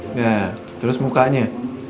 nah terus mukanya